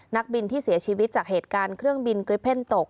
นักบินที่เสียชีวิตจากเหตุการณ์เครื่องบินกริปเพ่นตก